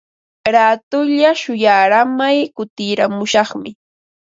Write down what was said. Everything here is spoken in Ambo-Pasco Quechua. Raatulla shuyaaramay kutiramushaqmi.